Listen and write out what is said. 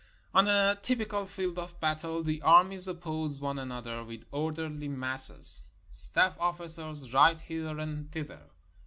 On a typical field of battle the armies oppose one an other with orderly masses. Staff ofiicers ride hither and thither.